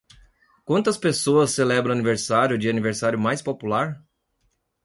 Quantas pessoas celebram o aniversário de aniversário mais popular?